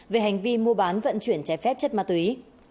về hành vi mua bán vận chuyển trái phép chất ma túy